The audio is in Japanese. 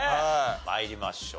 参りましょう。